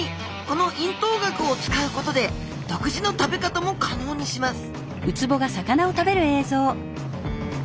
この咽頭顎を使うことで独自の食べ方も可能にします